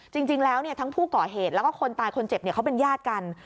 จริงแล้วทั้งผู้ก่อเหตุแล้วก็คนตายคนเจ็บเขาเป็นญาติกัน